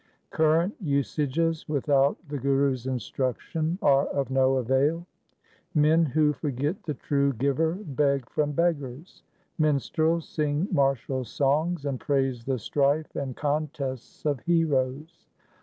1 Current usages without the Guru's instruction are of no avail :— Men who forget the true Giver beg from beggars. Minstrels sing martial songs, and praise the strife and contests of heroes.